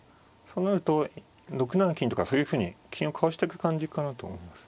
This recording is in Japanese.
そうなると６七金とかそういうふうに金をかわしてく感じかなと思います。